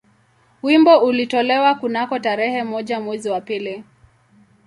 Wimbo ulitolewa kunako tarehe moja mwezi wa pili